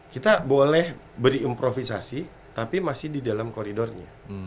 kita boleh beri improvisasi tapi masih di dalam koridornya